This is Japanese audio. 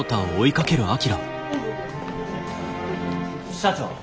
社長。